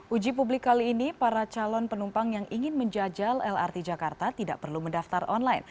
uji publik kali ini para calon penumpang yang ingin menjajal lrt jakarta tidak perlu mendaftar online